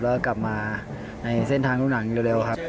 แล้วก็กลับมาในเส้นทางลูกหนังเร็วครับ